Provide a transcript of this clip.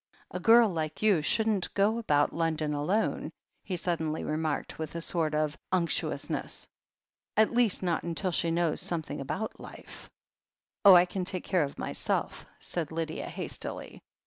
"A girl like you shouldn't go about London alone," he suddenly remarked, with a sort of unctuousness. "At least, not until she knows something about life." "Oh, I can take care of myself," said Lydia hastily.